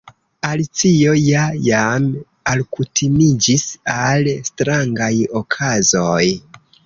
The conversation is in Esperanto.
Alicio ja jam alkutimiĝis al strangaj okazoj.